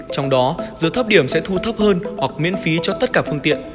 trong đó giờ thấp điểm sẽ thu thấp hơn hoặc miễn phí cho tất cả phương tiện